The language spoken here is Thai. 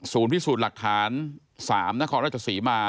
ศูนย์พิสูจน์หลักฐาน๓นครราชสีมา